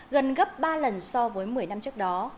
gần gấp ba lần so với một mươi năm trước đó